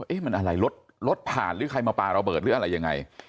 มันอะไรรถรถผ่านหรือใครมาปลาระเบิดหรืออะไรยังไง